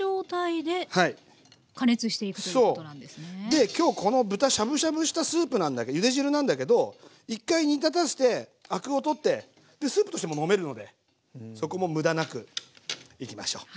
で今日この豚しゃぶしゃぶしたスープゆで汁なんだけど一回煮立たせてアクを取ってでスープとしても飲めるのでそこも無駄なくいきましょう。